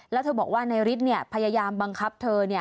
แล้วเธอบอกว่านายฤทธิ์พยายามบังคับเธอ